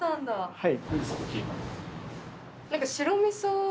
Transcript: はい。